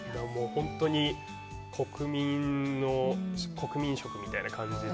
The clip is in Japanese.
本当に、国民食みたいな感じで。